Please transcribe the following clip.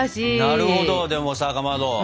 なるほどでもさかまど。